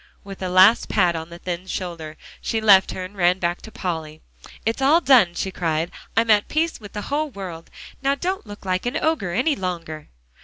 with a last pat on the thin shoulder, she left her, and ran back to Polly. "It's all done," she cried. "I'm at peace with the whole world. Now don't look like an ogre any longer."